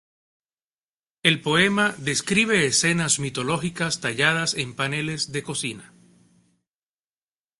El poema describe escenas mitológicas talladas en paneles de cocina.